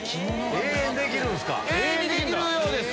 永遠にできるようです。